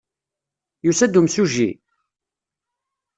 Yusa-d umsujji?